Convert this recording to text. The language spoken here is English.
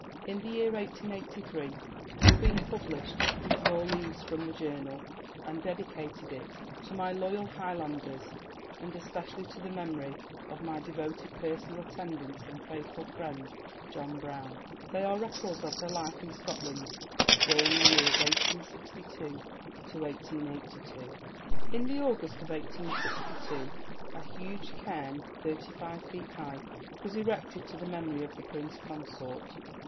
In the year 1883 the Queen published More Leaves from the Journal, and dedicated it "To my loyal Highlanders, and especially to the memory of my devoted personal attendant and faithful friend, John Brown." They are records of her life in Scotland during the years 1862 to 1882. In the August of 1862 a huge cairn, thirty five feet high, was erected to the memory of the Prince Consort.